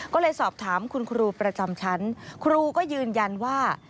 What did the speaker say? ก็เลยสอบถามคุณครูประจำชั้นครูก็ยืนยันว่า